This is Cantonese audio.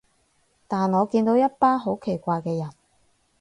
但我見到一班好奇怪嘅人